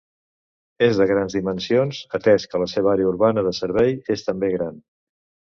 És de grans dimensions, atès que la seva àrea urbana de servei és també gran.